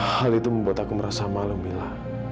hal itu membuat aku merasa malu mila